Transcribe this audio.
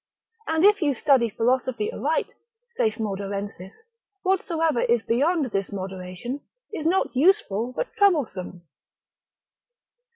And if you study philosophy aright, saith Maudarensis, whatsoever is beyond this moderation, is not useful, but troublesome.